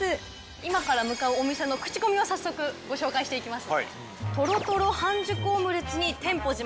今から向かうお店のクチコミを早速、紹介していきます。